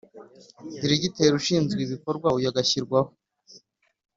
Diregiteri ushinzwe ibikorwa uyu agashyirwaho